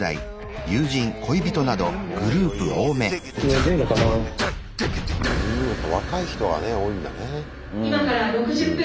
やっぱ若い人がね多いんだね。